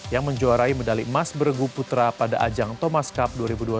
yang menjuarai medali emas bergu putra pada ajang thomas cup dua ribu dua puluh